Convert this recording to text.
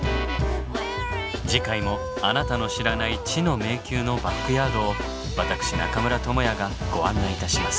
次回もあなたの知らない知の迷宮のバックヤードを私中村倫也がご案内いたします。